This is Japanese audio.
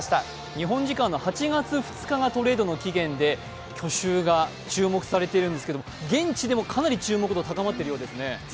日本時間の８月２日がトレードの期限で去就が注目されているんですけれども現地でもかなり注目度、高まってるみたいですね。